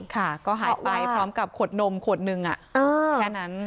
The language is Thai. ค่ะก็หายไปพร้อมกับขวดนมขวดหนึ่งแค่นั้น